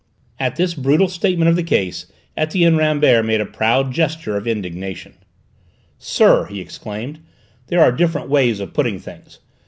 At this brutal statement of the case Etienne Rambert made a proud gesture of indignation. "Sir," he exclaimed, "there are different ways of putting things.